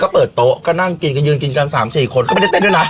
ก็เปิดโต๊ะก็นั่งกินกันยืนกินกัน๓๔คนก็ไม่ได้เต้นด้วยนะ